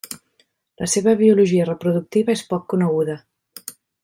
La seva biologia reproductiva és poc coneguda.